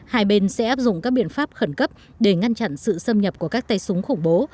hai bên sẽ áp dụng các biện pháp khẩn cấp để ngăn chặn sự xâm nhập của các tay súng khủng bố